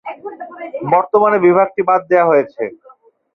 বর্তমানে বিভাগটি বাদ দেওয়া হয়েছে।